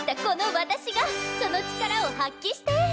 この私がその力を発揮して。